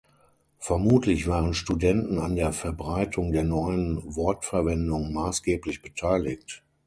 Vermutlich waren Studenten an der Verbreitung der neuen Wortverwendung maßgeblich beteiligt.